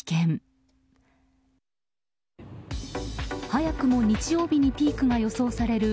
早くも日曜日にピークが予想される